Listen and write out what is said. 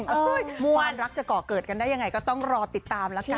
ความรักจะก่อเกิดกันได้ยังไงก็ต้องรอติดตามแล้วกันนะคะ